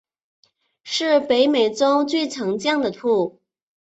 是北美洲最常见的兔。